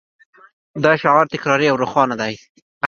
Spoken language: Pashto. دا شعار ډیر تکراري او روښانه دی